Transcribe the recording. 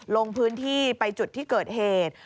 ลงพื้นที่ไปจุดที่เกิดเหตุ